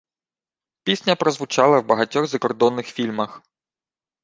Пісня прозвучала в багатьох закордонних фільмах